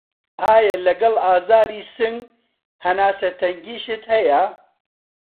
ئایا لەگەڵ ئازاری سنگ هەناسه تەنگیشت هەیە؟